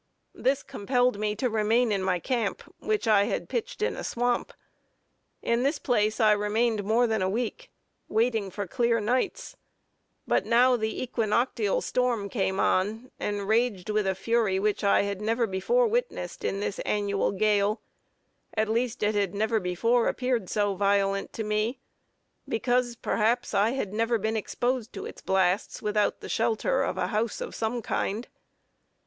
This compelled me to remain in my camp, which I had pitched in a swamp. In this place I remained more than a week, waiting for clear nights; but now the equinoctial storm came on, and raged with a fury which I had never before witnessed in this annual gale; at least it had never before appeared so violent to me, because, perhaps, I had never been exposed to its blasts, without the shelter of a house of some kind.